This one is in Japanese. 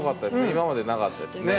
今までなかったですね。